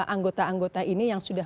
anggota anggota ini yang sudah